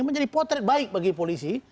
menjadi potret baik bagi polisi